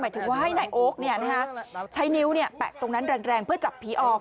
ถึงว่าให้นายโอ๊คใช้นิ้วแปะตรงนั้นแรงเพื่อจับผีออก